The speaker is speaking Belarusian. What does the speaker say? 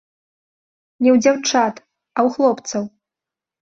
Не ў дзяўчат, а ў хлопцаў.